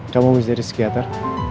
kamu miss dari sekiatar